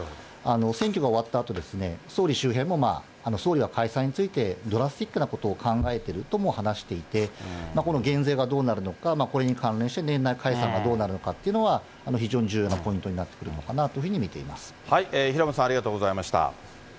選挙が終わったあと、総理周辺も、総理は解散についてドラスティックなことを考えてるとも話していて、この減税がどうなるのか、これに関連して年内解散がどうなるのかというのは、非常に重要なポイントになってくるのかなという平本さん、ありがとうございました。